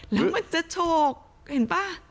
แล้วมันจะโฉกเห็นป่ะ